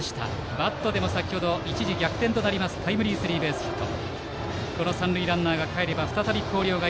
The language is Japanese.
バットでは先ほど一時逆転となるタイムリースリーベースヒット。